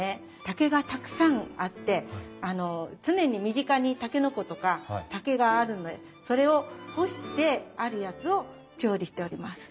竹がたくさんあって常に身近にタケノコとか竹があるんでそれを干してあるやつを調理しております。